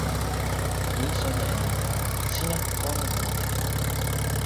mi sona e ni: sina pona mute.